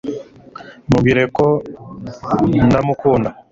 mubwire ko ndamukunda